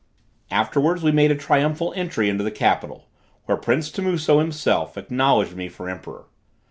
Afterwards we made a triumphal entry into the capital, where prince Timuso, himself acknowledged me for emperor.